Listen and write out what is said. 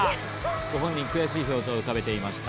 ご本人、悔しい表情を浮かべていました。